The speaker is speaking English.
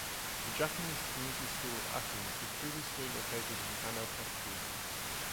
The Japanese Community School of Athens was previously located in Ano Pefki.